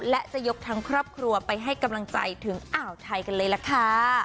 และจะยกทั้งครอบครัวไปให้กำลังใจถึงอ่าวไทยกันเลยล่ะค่ะ